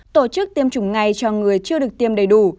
tổ chức tiêm chủng ngay cho người chưa được tiêm đầy đủ